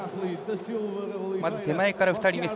まず手前から２人目